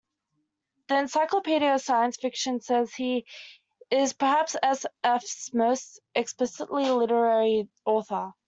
"The Encyclopedia of Science Fiction" says "he is perhaps sf's most explicitly literary author".